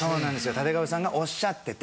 たてかべさんがおっしゃってて。